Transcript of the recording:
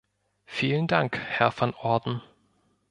Vielen Dank, Herr van Orden.